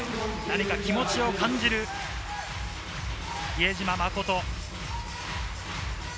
気持ちを感じる、比江島慎。